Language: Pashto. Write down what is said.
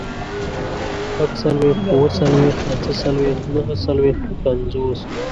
شپږڅلوېښت، اووه څلوېښت، اته څلوېښت، نهه څلوېښت، پينځوس